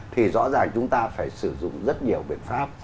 thì rõ ràng chúng ta phải sử dụng rất nhiều biện pháp